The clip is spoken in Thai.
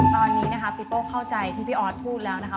ตอนนี้นะคะปีโป้เข้าใจที่พี่ออสพูดแล้วนะคะ